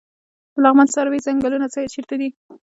د لغمان سروې ځنګلونه چیرته دي؟